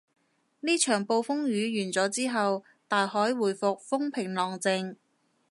呢場暴風雨完咗之後，大海回復風平浪靜